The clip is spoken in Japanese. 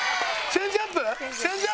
チェンジアップ？